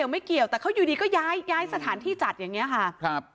ไม่เกี่ยวแต่เขาอยู่ดีก็ย้ายย้ายสถานที่จัดอย่างนี้ค่ะครับ